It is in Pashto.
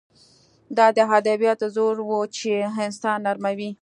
دا د ادبیاتو زور و چې انسان نرموي